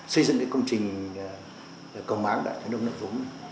xây dựng cái công trình cầu máng đại thái đông đại dũng